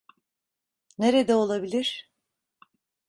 Nerede olabilir?